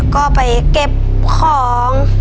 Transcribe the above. ก็ไปเก็บของ